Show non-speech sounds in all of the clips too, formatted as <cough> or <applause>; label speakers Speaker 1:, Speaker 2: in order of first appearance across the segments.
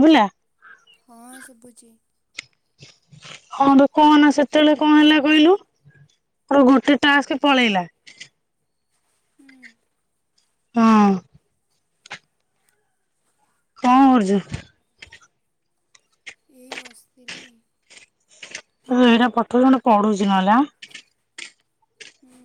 Speaker 1: ସୁଵିଲା
Speaker 2: ହଁ ଶୁଭୁଛି।
Speaker 1: ହଁ ତ କଣ ସେତେବେଳେ କଣ ହେଲା କହିଲୁ। ମୋର ଗୋଟେ ଟ୍ୟାକ୍ସ ପଳେଇଲା।
Speaker 2: ହୁଁ
Speaker 1: ହଁ। କଣ କରୁଛୁ?
Speaker 2: ଏଇ ବସିଥିଲି।
Speaker 1: ଏଇଟା ପଠାଉଚ୍ ପଢୁଛି ନହେଲା ଆ।
Speaker 2: ହୁଁ।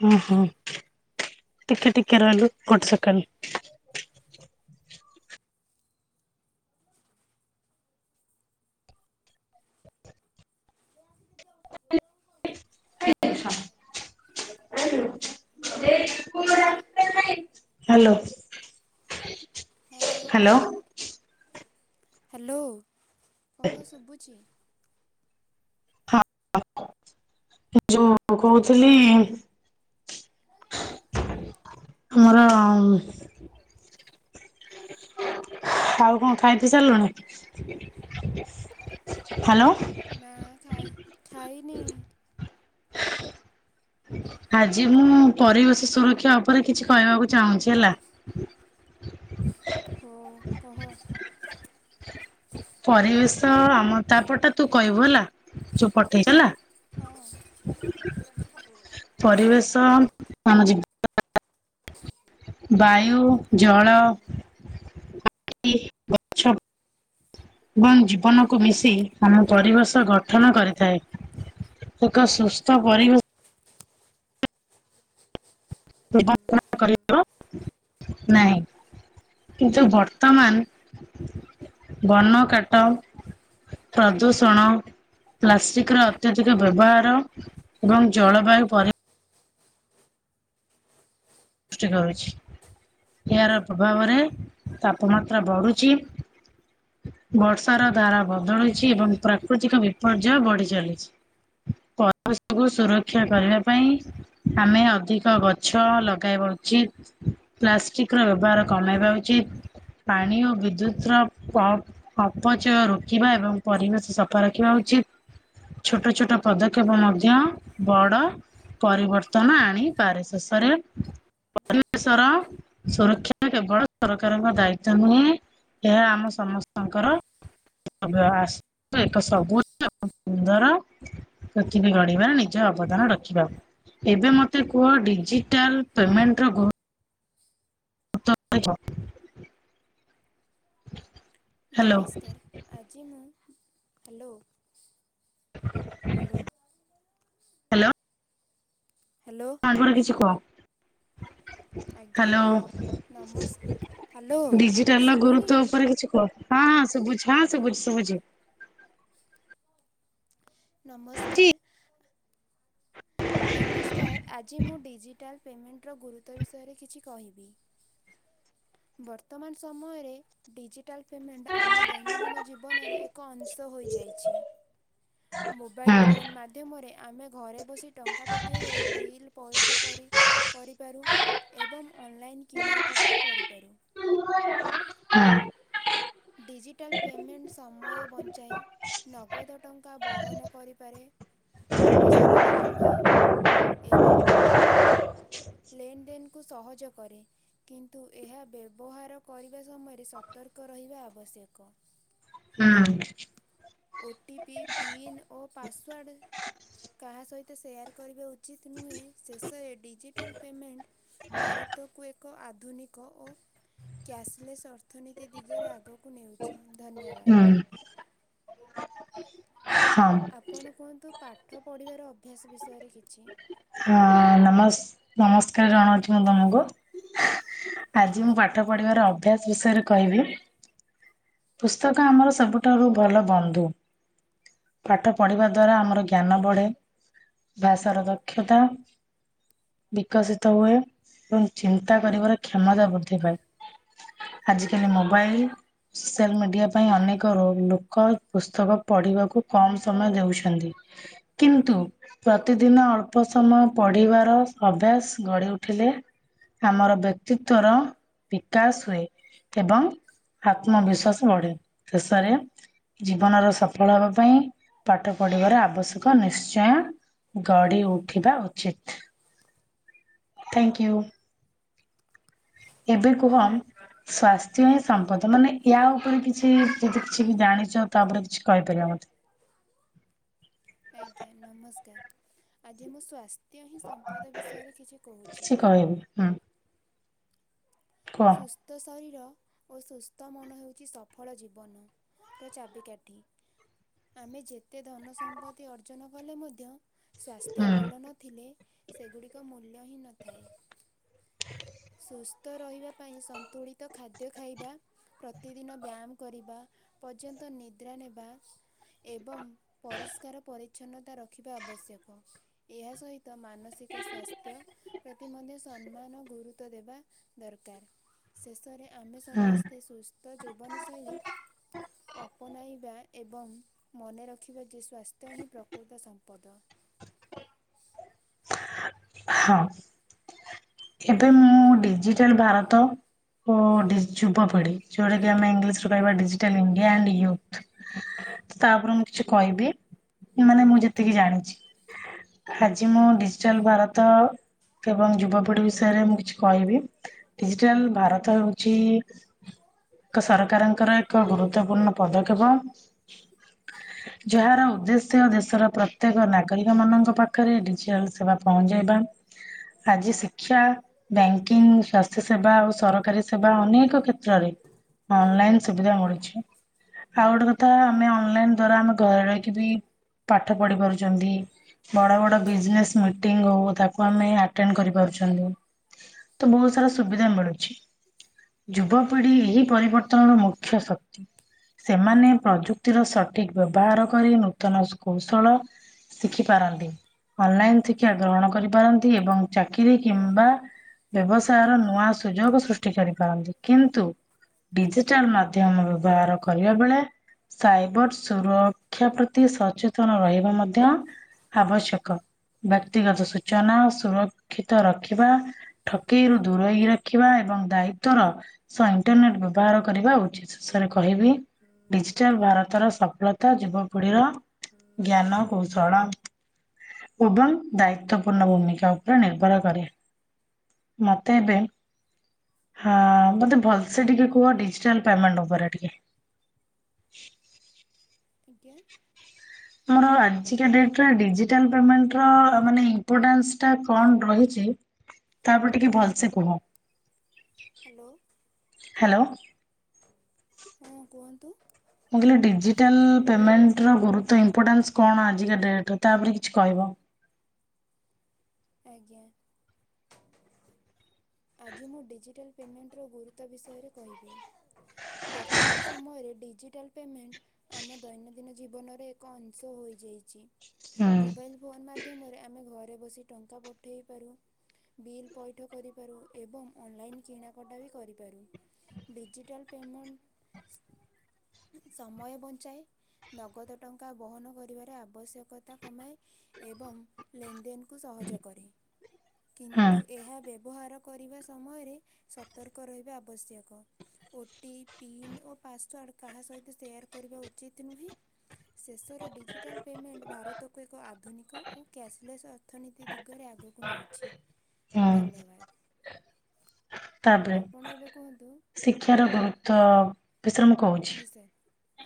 Speaker 1: ହ ହଁ ଟିକେ ଟିକେ ରହିଲୁ ଗୋଟେ ସେକେଣ୍ଡ। <unintelligible> ହ୍ୟାଲୋ।
Speaker 2: ହଁ
Speaker 1: ହ୍ୟାଲୋ।
Speaker 2: ହ୍ୟାଲୋ କହ ଶୁଭୁଛି।
Speaker 1: ହଁ। ଯୋଉ କହୁଥିଲି ଆମର
Speaker 2: <inaudible>
Speaker 1: ଆଉ କଣ ଖାଇ ପି ସାରିଲୁଣି ହ୍ୟାଲୋ।
Speaker 2: ନା ଖାଇ ଖାଇନି।
Speaker 1: ଆଜି ମୁଁ ପରିବେଶ ସୁରକ୍ଷା ଉପରେ କିଛି କହିବାକୁ ଚାହୁଁଛି ହେଲା।
Speaker 2: ହୋ କହ
Speaker 1: ପରିବେଶ ଆମ ତାପଟା ତୁ କହିବୁ ହେଲା ଯୋଉ ପଠେଇଚୁ ହେଲା।
Speaker 2: ହଁ
Speaker 1: ପରିବେଶ ଆମ ଜି ବାୟୁ ଜଳ ଗଛ ଏବଂ ଜୀବନକୁ ମିଶି। ଆମ ପରିବେଶ ଗଠନ କରିଥାଏ ଏକ ସୁସ୍ଥ ପରିବେଶ <unintelligible> ନାହିଁ। କିନ୍ତୁ ବର୍ତ୍ତମାନ ବନ କାଟ ପ୍ରଦୂଷଣ ପ୍ଲାଷ୍ଟିକ ର ଅତ୍ୟଧିକ ବ୍ୟବହାର ଏବଂ ଜଳବାୟୁ ପର ସୃଷ୍ଟି କରୁଛି। ଏହାର ପ୍ରଭାବରେ ତାପମାତ୍ରା ବଢୁଛି। ବର୍ଷାର ଧାରା ବଦଳିଛି ଏବଂ ପ୍ରାକୃତିକ ବିପର୍ଯ୍ୟୟ ବଢି ଚାଲିଛି। ପରିବେଶକୁ ସୁରକ୍ଷା କରିବା ପାଇଁ ଆମେ ଅଧିକ ଗଛ ଲଗ ଲଗାଇବା ଉଚିତ ପ୍ଲାଷ୍ଟିକ ର ବ୍ୟବହାର କମେଇବା ଉଚିତ୍। ପାଣି ଓ ବିଦ୍ୟୁତ ର ଅପଚୟ ରୋକିବା ଏବଂ ପରିବେଶ ସଫା ରଖିବା ଉଚିତ। ଛୋଟ ଛୋଟ ପଦକ୍ଷେପ ମଧ୍ୟ ବଡ। ପରିବର୍ତ୍ତନ ଆଣିପାରେ ଶେଷରେ ପରିବେଶର ସୁରକ୍ଷା କେବଳ ସରକାରଙ୍କ ଦାୟିତଵ ନୁହେଁ। ଏହା ଆମ ସମସ୍ତଙ୍କର <unintelligible> ଆସ ଏକ ସବୁ ସୁନ୍ଦର ପୃଥିବୀ ଗଢିବାରେ ନିଜ ଅବଦାନ ରଖିବା। ଏବେ ମୋତେ କୁହ ଡିଜିଟାଲ ପେମେଣ୍ଟର ଗୁରୁ ତ୍ଵ ଟା କଣ?
Speaker 2: ନମସ୍କାର ଆଜି ମୁଁ ହାଲୋ।
Speaker 1: ହାଲୋ।
Speaker 2: ହ୍ୟାଲୋ
Speaker 1: କିଛି କହ
Speaker 2: ଆଜ୍ଞା
Speaker 1: ହାଲୋ।
Speaker 2: ନମସ୍କ ହ୍ୟାଲୋ
Speaker 1: ଡିଜିଟାଲ ର
Speaker 2: ଶୁଭୁନି
Speaker 1: ଗୁରୁତ୍ୟ ଉପରେ କିଛି କୁହ। ହଁ ହଁ ଶୁଭୁଚି ହଁ ଶୁଭୁଚି ଶୁଭୁଚି।
Speaker 2: ନମସ୍କାର। ନମସ୍କାର ଆଜି ମୁଁ ଡିଜିଟାଲ୍ ପେମେଣ୍ଟର ଗୁରୁତ୍ୱ ବିଷୟରେ କିଛି କହିବି। <inaudible> ବର୍ତ୍ତମାନ ସମୟରେ ଡିଜିଟାଲ ପେମେଣ୍ଟ ଆମ ଦୈନନ୍ଦିନ ଜୀବନର ଏକ ଅଂଶ। ହୋଇଯାଇଛି। ମୋବାଇଲ
Speaker 1: ହଁ
Speaker 2: ଫୋନ୍ ମାଧ୍ୟମରେ ଆମେ ଘରେ ବସି ଟଙ୍କା ପଠାଇବାରୁ ବିଲ୍ ପଇଠ ପରି କରି କରିପାରୁ ଏବଂ ଅନଲାଇନ୍ କିଣା କଟା କରି ପାରୁ।
Speaker 1: ହୁଁ
Speaker 2: ଡିଜିଟାଲ ପେମେଣ୍ଟ ସମୟ ବଞ୍ଚାଏ। ନଗଦ ଟଙ୍କା ବହନ କରିପାରେ, ଆବଶ୍ୟକତା କମାଏ। ଏବଂ ଲେନ ଦେନକୁ ସହଜ କରେ। କିନ୍ତୁ ଏହା ବ୍ୟବହାର କରିବା ସମୟରେ ସତର୍କ ରହିବା ଆବଶ୍ୟକ। ଓ ଟି ପି ପିନ୍ ଓ ପାସୱାର୍ଡ଼ କାହା ସହିତ ସେୟାର କରିବା ଉଚିତ ନୁହେଁ, ଶେଷରେ ଡିଜିଟାଲ ପେମେଣ୍ଟ ଭାରତକୁ ଏକ ଆଧୁନିକ ଓ କ୍ୟାସଲେସ୍ ଅର୍ଥନୀତି ଦିଗରେ ଆଗକୁ ନଉଚି,
Speaker 1: ହୁଁ
Speaker 2: ଧନ୍ୟବାଦ।
Speaker 1: ହଁ
Speaker 2: ଆପଣ କୁହନ୍ତୁ ପାଠ ପଢ଼ିବାର ଅଭ୍ୟାସ ବିଷୟରେ କିଛି
Speaker 1: ନମସ୍କା ନମସ୍କାର ଆମ ଛୁଆମାନଙ୍କୁ। ଆଜି ମୁଁ ପାଠ ପଢିବାର ଅଭ୍ୟାସ ବିଷୟରେ କହିବି। ପୁସ୍ତକ ଆମର ସବୁଠାରୁ ଭଲ ବନ୍ଧୁ। ପାଠ ପଢିବା ଦ୍ଵାରା ଆମର ଜ୍ଞାନ ବଢ଼େ, ଭାଷାର ଦକ୍ଷତା ବିକଶିତ ହୁଏ ଏବଂ ଚିନ୍ତା କରିବାର କ୍ଷମତା ବୃଦ୍ଧି ପାଏ। ଆଜିକାଲି ମୋବାଇଲ ସୋସିଆଲ ମିଡିଆ ପାଇଁ ଅନେକ ରୋ ଲୋକ ପୁସ୍ତକ ପଢ଼ିବାକୁ କମ ସମୟ ଦେଉଛନ୍ତି। କିନ୍ତୁ ପ୍ରତିଦିନ ଅଳ୍ପ ସମୟ ପଢ଼ିବାର ଅଭ୍ୟାସ ଗଢ଼ି ଉଠିଲେ। ଆମର ବ୍ୟକ୍ତିତ୍ଵର ବିକାଶ ହୁଏ ଏବଂ ଆତ୍ମବିଶ୍ଵାସ ବଢେ ଶେଷରେ ଜୀବନର ସଫଳ ହବା ପାଇଁ ପାଠ ପଢିବାର ଆବଶ୍ୟକ ନିଶ୍ଚୟ। ଗଢି ଉଠିବା ଉଚିତ, ଥ୍ୟାଙ୍କୟୁ।
Speaker 2: <inaudible>
Speaker 1: ଏବେ କୁହ ସ୍ୱାସ୍ଥ୍ୟ ହିଁ ସମ୍ପଦ। ମାନେ ୟା ଉପରେ କିଛି ଯଦି କିଛି ବି ଜାଣିଚ ତା ଉପରେ କିଛି କହିପାରିବ ମୋତେ।
Speaker 2: <inaudible> ଆଜ୍ଞା ନମସ୍କାର ଆଜ୍ଞା ମୁଁ ସ୍ବାସ୍ଥ୍ୟ ହିଁ ସମ୍ପଦ ବିଷୟରେ କିଛି କହୁଚି।
Speaker 1: କିଛି କହିବି ହୁଁ କୁହ
Speaker 2: ସୁସ୍ଥ ଶରୀର ଓ ସୁସ୍ଥ ମନ ହେଉଚି ସଫଳ ଜୀବନ ର ଚାବିକାଠି। ଆମେ ଯେତେ ଧନ ସମ୍ପତ୍ତି ଅର୍ଜନ କଲେ ମଧ୍ୟ ସ୍ୱାସ୍ଥ୍ୟ
Speaker 1: ହୁଁ
Speaker 2: ଭଲ ନଥିଲେ, ସେଗୁଡ଼ିକ ମୂଲ୍ୟ ହିଁ ନଥାଏ। ସୁସ୍ଥ ରହିବା ପାଇଁ ସନ୍ତୁଳିତ ଖାଦ୍ୟ ଖାଇବା। ପ୍ରତିଦିନ ବ୍ୟାୟାମ କରିବା ପର୍ଯ୍ୟନ୍ତ ନିଦ୍ରା ନେବା। ଏବଂ ପରିଷ୍କାର ପରିଚ୍ଛନ୍ନତା ରଖିବା ଆବଶ୍ୟକ। ଏହା ସହିତ ମାନସିକ ସ୍ବାସ୍ଥ୍ୟ ପ୍ରତି ମଧ୍ୟ ସମ୍ମାନ ଗୁରୁ ତ ଦେବା ଦରକାର ଶେଷରେ ଆମେ
Speaker 1: ହୁଁ
Speaker 2: ସମସ୍ତେ ସୁସ୍ଥ ଜୀବନଶୈଳୀ ଅପନାଇବା ଏବଂ ମନେ ରଖିବ ଯେ ସ୍ୱାସ୍ଥ୍ୟ ହିଁ ପ୍ରକୃତ ସମ୍ପ ପଦ।
Speaker 1: ହଁ ଏବେ ମୁଁ ଡିଜିଟାଲ ଭାରତ ଓ ଡି ଯୁବପଢି ଯୋଉଟା କି ଆମେ ଇଂଲିଶ କହିବା ଡିଜିଟାଲ ଇଣ୍ଡିଆ ଆଣ୍ଡ ୟୁଥ୍ ତାପରେ ମୁଁ କିଛି କହିବି ମାନେ ମୁଁ ଯେ ଏତିକି
Speaker 2: ଓ
Speaker 1: ଜାଣିଛି ଆଜି ମୁଁ
Speaker 2: ଆଜ୍ଞା
Speaker 1: ଡିଜିଟାଲ ଭାରତ ଏବଂ ଯୁବପିଢି ବିଷୟରେ ମୁଁ କିଛି କହିବି ଡିଜିଟାଲ ଭାରତ ହଉଛି ଏକ ସରକାରଙ୍କର ଏକ ଗୁରୁତ୍ୱପୂର୍ଣ୍ଣ ପଦକ୍ଷେପ। ଯାହାର ଉଦ୍ଦେଶ୍ୟ ଦେଶର ପ୍ରତ୍ୟେକ ନାଗରିକ ମାନଙ୍କ ପାଖ ଡିଜିଟାଲ ସେବା ପହଞ୍ଚାଇବା ଆଜି ଶିକ୍ଷା ବ୍ୟାଙ୍କିଙ୍ଗ ସ୍ୱାସ୍ଥ୍ୟ ସେବା ଆଉ ସରକାରୀ ସେବା ଅନେକ କ୍ଷେତ୍ରରେ ଅନଲାଇନ ସୁବିଧା ମିଳୁଛି ଆଉ ଗୋଟେ ତ ଆମେ ଅନଲାଇନ ଦ୍ଵାରା ଆମେ ଘରେ ରହିକି ବି ପାଠ ପଢି ପାରୁଛନ୍ତି। ବଡ଼ ବଡ଼ ବିଜନେସ୍ ମିଟିଙ୍ଗ ହଉ ତାକୁ ଆମେ ଆଟେଣ୍ଡ କରିପାରୁଛନ୍ତି। ତ ବହୁତ ସାରା ସୁବିଧା ମିଳୁଛି ଯୁବ ପ ଏହି ପରିବର୍ତ୍ତନର ମୁଖ୍ୟ ଶକ୍ତି ସେମାନେ ପ୍ରଯୁକ୍ତିର ସଠିକ ବ୍ୟବହାର କରି ନୂତନ କୌଶଳ ଶିଖ ପାରନ୍ତି ଅନଲାଇନ ଶିକ୍ଷା ଗ୍ରହଣ କରିପାରନ୍ତି ଏବଂ ଚାକିରି କିମ୍ବା ବ୍ୟବସାୟର ନୂଆ ସୁଯୋଗ ସୃଷ୍ଟି କରିପାରନ୍ତି କିନ୍ତୁ ଡିଜିଟାଲ ମାଧ୍ୟମ ବ୍ୟବହାର କରିବା ବେଳେ ସାଇବର ସୁରକ୍ଷା ପ୍ରତି ସଚେତନ ରହିବା ମଧ୍ୟ ଆବଶ୍ୟକ। ବ୍ୟକ୍ତିଗତ ସୂଚନା ସୁରକ୍ଷିତ ରଖିବା ଠକେଇରୁ ଦୁରେଇ ରଖିବା। ଏବଂ ଦାୟିତ୍ୱର ସହ ଇଣ୍ଟରନେଟ ବ୍ୟବହାର କରିବା ଉଚିତ ଶେଷରେ କହିବି ଡିଜିଟାଲ ଭାରତର ସଫଳତା ଯୁବପିଢ଼ିର ଜ୍ଞାନ କୌଶଳ। ଏବଂ ଦାୟିତ୍ୱପୂର୍ଣ୍ଣ ଭୂମିକା ଉପରେ ନିର୍ବର କରେ। ମୋତ ଏବେ ହଁ ମୋତେ ଭଲସେ ଟିକେ କୁହ ଡିଜିଟାଲ ପେମେଣ୍ଟ ଉପରେ ଟିକେ <inaudible>
Speaker 2: ଆଜ୍ଞା।
Speaker 1: ଆମର ଆଜି କା ଡେଟରେ ଡିଜିଟାଲପେମେଣ୍ଟ ର ମାନେ ଇପୋଟାନ୍ସ ଟା କଣ ରହିଛି? ତାପରେ ଟିକେ ଭଲସେ କୁହ।
Speaker 2: ହ୍ୟାଲୋ।
Speaker 1: ହ୍ୟାଲୋ।
Speaker 2: ହଁ କୁହନ୍ତୁ।
Speaker 1: ମୁଁ କହିଲି ଡିଜିଟାଲ ପେମେଣ୍ଟ ର ଗୁରୁତ୍ଵ ଇପୋର୍ଟାନ୍ସ କଣ ଆଜି କା ଡେଟ ତ ତାପରେ କିଛି କହିବ
Speaker 2: ଆଜ୍ଞା ଆଜି ମୁଁ ଡିଜିଟା ପେମେଣ୍ଟର ଗୁରୁତ୍ୱ ବିଷୟରେ କହିବେ ବର୍ତ୍ତମାନ ସମୟରେ ଡିଜିଟାଲ୍ ପେମେଣ୍ଟ ଆମ ଦୈନନ୍ଦିନ ଜୀବନରେ ଏକ ଅଂଶ ହୋଇଯାଇଛି।
Speaker 1: ହୁଁ
Speaker 2: ମୋବାଇଲ ଫୋନ୍ ମାଧ୍ୟମରେ ଆମେ ଘରେ ବସି ଟଙ୍କା ପଠେଇ ପାରୁ। ବିଲ୍ ପଇଠ କରିପାରୁ ଏବଂ ଅନ ଲାଇନ କିଣା କଟା ବି କରିପାରୁ। ଡିଜିଟାଲ ପେମେଣ୍ଟ ସମୟ ବଞ୍ଚାଏ। ନଗଦ ଟଙ୍କା ବହନ କରିବାର ଆବଶ୍ୟକତା କମାଏ ଏବଂ ଲେନ୍ ଦେ କୁ ସହଯ କରେ
Speaker 1: ହୁଁ
Speaker 2: କିନ୍ତୁ ଏହା ବ୍ୟବହାର କରିବା ସମୟରେ ସତର୍କ ରହିବା ଆବଶ୍ୟକ। ଓ ଟିି ପିନ୍ ଓ ପାସ୍ୱାଡ କାହା ସହିତ ସେୟାର କରିବା ଉଚିତ୍ ନୁହେଁ। ଶେଷରେ ଡିଜିଟାଲ୍ ପେମେଣ୍ଟ ଭାରତକୁ ଏକ ଆଧୁନିକ ଓ କ୍ୟାସଲେସ୍ ଅ ଅର୍ଥନୀତି ଦିଗରେ ଆଗକୁ ନଉଚି
Speaker 1: ହୁଁ
Speaker 2: ଧନ୍ୟବାଦ।
Speaker 1: ତାପରେ
Speaker 2: ଆପଣ ଏବେ କୁହନ୍ତୁ
Speaker 1: ଶିକ୍ଷାର ଗୁରୁତ୍ବ ବିଷୟରେ ମୁଁ କହୁଚି।
Speaker 2: ବିଷୟ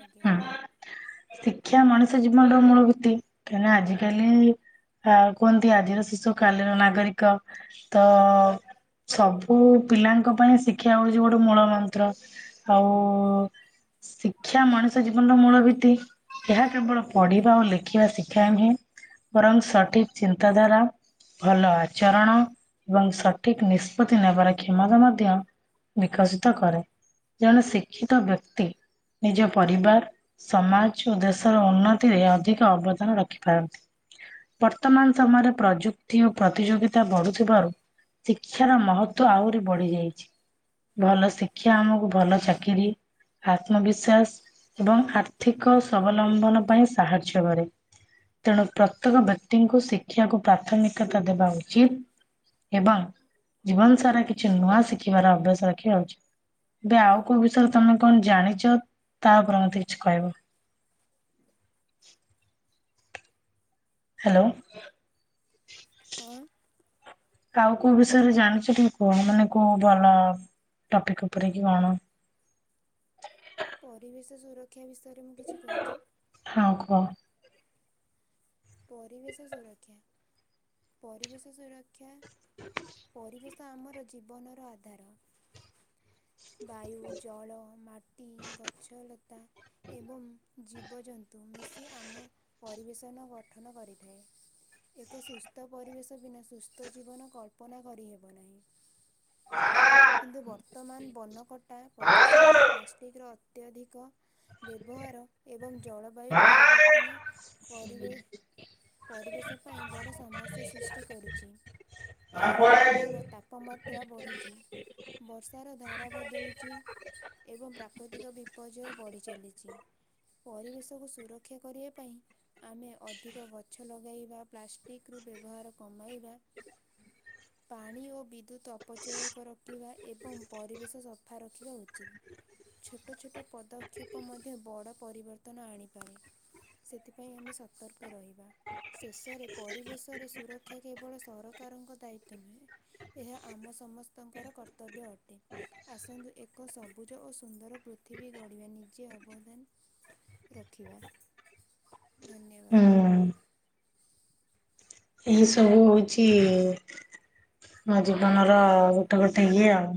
Speaker 2: ଆଜ୍ଞା।
Speaker 1: ଶିକ୍ଷା ମଣିଷ ଜୀବନର ମୂଳ ବୃତ୍ତି କାହିଁକିନା ଆଜିିକାଲି ଆ କୁହନ୍ତି ଆଜିର ଶିଶୁ କାଲିର ନାଗରିକ ତ ସବୁ ପିଲାଙ୍କ ପାଇଁ ଶିକ୍ଷା ହଉଚି ଗୋଟେ ମୂଳ ମନ୍ତ୍ର ଆଉ
Speaker 2: <inaudible>
Speaker 1: ଶିକ୍ଷା ମଣିଷ ଜୀବନର ମୂଳ ଭିତ୍ତି ଏହା କେବଳ ପଢ଼ିବା ଓ ଲେଖିବା ଶିକ୍ଷା ନୁହେଁ ବରଂ ସଠିକ ଚିନ୍ତାଧାରା ଭଲ ଆଚରଣ ଏବଂ ସଠିକ ନିଷ୍ପତ୍ତି ନେବାର କ୍ଷମତା ମଧ୍ୟ ବିକଶିତ କରେ ଜଣେ ଶିକ୍ଷିତ ବ୍ୟକ୍ତି ନିଜ ପରିବାର, ସମାଜ ଓ ଦେଶର ଉନ୍ନତିରେ ଅଧିକ ଅବଦାନ ରଖିପାରନ୍ତି। ବର୍ତ୍ତମାନ ସମୟରେ ପ୍ରଯୁକ୍ତି ଓ ପ୍ରତିଯୋଗିତା ବଢୁଥିବାରୁ ଶିକ୍ଷାର ମହତ୍ତ୍ୱ ଆହୁରି ବଢ଼ି ଯାଇଚି। ଭଲ ଶିକ୍ଷା ଆମକୁ ଭଲ ଚାକିରୀ ଆତ୍ମବିଶ୍ୱାସ ଏବଂ ଆର୍ଥିକ ସ୍ୱାବଲମ୍ବନ ପାଇଁ ସାହାଯ୍ୟ କରେ। ତେଣୁ ପ୍ରତ୍ୟେକ ବ୍ୟକ୍ତିଙ୍କୁ ଶିକ୍ଷାକୁ ପ୍ରାଥମିକତା ଦେବା ଉଚିତ। ଏବଂ ଜୀବନ ସାରା କିଛି ନୂଆ ଶିଖିବାର ଅଭ୍ୟାସ ରଖିବା ଉଚିତ। ଏବେ ଆଉ କୋଉ ବିଷୟରେ ତମେ କଣ ଜାଣି ତା ଉପରେ ମୋତେ କିଛି କହିବ। ହାଲୋ।
Speaker 2: ହ।
Speaker 1: ଆଉ କୋଉ ବିଷୟରେ ଜାଣିଚ ଟିକେ କୁହ ମାନେ କୋଉ ଭଲ ଟପିକ ଉପରେ କି କଣ?
Speaker 2: ପରିବେଶ ସୁରକ୍ଷା ବିଷ
Speaker 1: ହଁ କୁହ।
Speaker 2: ପରିବେଶ ସୁରକ୍ଷା ପରିବେଶ ସୁରକ୍ଷା ପରିବେଶ ତ ଆମର ଜୀବନର ଆଧାର ବାୟୁ, ଜଳ, ମାଟି, ଗଛଲତା ଏବଂ ଜୀବଜନ୍ତୁ ମିଶି ଆମ ପରିବେଷନ ଗଠନ କରିଥାଏ। ଏକ ସୁସ୍ଥ ପରିବେଶ ବିନା ସୁସ୍ଥ ଜୀବନ କଳ୍ପନା କରିହେବ ନାହିଁ। କିନ୍ତୁ ବର୍ତ୍ତମାନ ବନକଟା ପ୍ରଦୂଷଣ ପ୍ଲାଷ୍ଟିକର ଅତ୍ୟଧିକ ବ୍ୟବହାର ଏବଂ ଜଳବାୟୁ ପରିବର୍ତ୍ତନ କରିବେ। ପରିବେଶ ପାଇଁ ବଡ଼ ସମସ୍ୟା ସୃଷ୍ଟି କରୁଚି। ଏହାର
Speaker 1: ହୁଁ
Speaker 2: ପ୍ରଭାବ ତାପମାତ୍ରା ମାତ୍ରା ବଢ଼ୁଚି ବର୍ଷାର ଧାରା ବଦଳୁଚି। ଏବଂ ପ୍ରାକୃତିକ ବିପର୍ଯ୍ୟୟ ବଢ଼ି ଚାଲିଚି। ପରିବେଶକୁ ସୁରକ୍ଷା କରିବା ପାଇଁ ଆମେ ଅଧିକ ଗଛ ଲଗାଇବା ପ୍ଲାଷ୍ଟିକ୍ ରୁ ବ୍ୟବହାର କମାଇବା ପାଣି ଓ ବିଦ୍ୟୁତ୍ ଅପଚୟକୁ ରୋକିବା ଏବଂ ପରିବେଶ ସଫା ରଖିବା ଉଚିତ। ଛୋଟ ଛୋଟ ପଦକ୍ଷେପ ମଧ୍ୟ ବଡ଼ ପରିବର୍ତ୍ତନ ଆଣିପାରେ। ସେଥିପାଇଁ ଆମେ ସତ ତର୍କ ରହିବା। ଶେଷରେ ପରିବେଶରେ ସୁରକ୍ଷା କେବଳ ସରକାରଙ୍କ ଦାୟିତ୍ୱ ନୁହେଁ। ଏହା ଆମ ସମସ୍ତଙ୍କର କର୍ତ୍ତବ୍ୟ ଅଟେ। ଆସନ୍ତୁ ଏକ ସବୁଜ ଓ ସୁନ୍ଦର ପୃଥିବୀ ଗଢ଼ିବା ନିଜେ ଅବଦାନ ରଖିବା।
Speaker 1: ହୁଁ।
Speaker 2: ଧନ୍ୟବାଦ।
Speaker 1: ଏ ସବୁ ହଇଛି ମୋ ଜୀବନର ଗୋଟେ ଗୋଟେ ଇଏ ଆଉ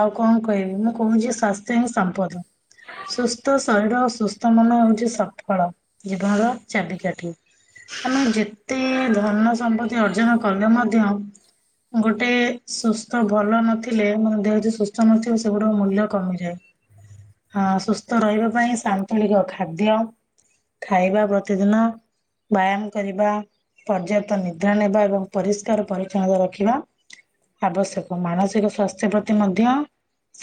Speaker 1: ଆଉ କଣ କହିବି ମୁଁ କହୁଛି ସ୍ୱାସ୍ଥ୍ୟ ହି ସମ୍ପଦ। ସୁସ୍ଥ ଶରୀର ଓ ସୁସ୍ଥ ମନ ହଉଛି ସଫଳ ଜୀବନର ଚାବିକାଠି। ଆମେ ଯେତେ ଧନ ସମ୍ପତ୍ତି ଅର୍ଜନ କଲେ ମଧ୍ୟ ଗୋଟେ ସୁସ୍ଥ ଭଲ ନଥିଲେ ମୁ ଦେ ଯ ସୁସ୍ଥ ନଥିବ ସେଗୁଡ଼ିକ ମୂଲ୍ୟ କମିଯାଏ। ହଁ ସୁସ୍ଥ ରହିବା ପାଇଁ ସାନ୍ତୁଳିକ ଖାଦ୍ୟ ଖାଇବା ପ୍ରତିଦିନ ବ୍ୟାୟାମ କରିବା ପର୍ଯ୍ୟାପ୍ତ ନିଦ୍ରା ନେବା ଏବଂ ପରିଷ୍କାର ପରିଚ୍ଛନ୍ନତା ରଖିବା। ଆବଶ୍ୟକ ମାନସିକ ସ୍ୱାସ୍ଥ୍ୟ ପ୍ରତି ମଧ୍ୟ